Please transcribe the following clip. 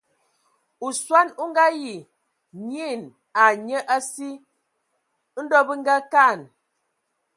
Osɔn o Ngaayi nyian ai nye a si. Ndɔ bə ngakaan.